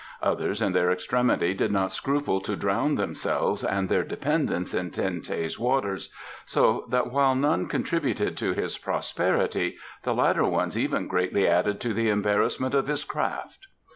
Others in their extremity did not scruple to drown themselves and their dependents in Ten teh's waters, so that while none contributed to his prosperity the latter ones even greatly added to the embarrassment of his craft.